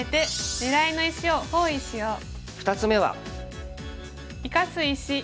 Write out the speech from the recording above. ２つ目は。